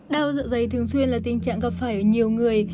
đau dạ dày thường xuyên là tình trạng gặp phải ở nhiều người